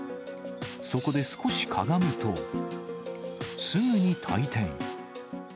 そこで少しかがむと、すぐに退店。